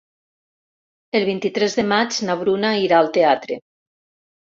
El vint-i-tres de maig na Bruna irà al teatre.